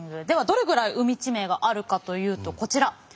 ではどれぐらい海地名があるかというとこちら。